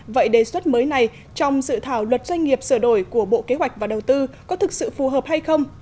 vậy đề xuất mới này trong dự thảo luật doanh nghiệp sửa đổi của bộ kế hoạch và đầu tư có thực sự phù hợp hay không